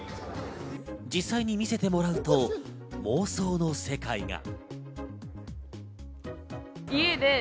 実際に見せてもらうと妄想の世界が。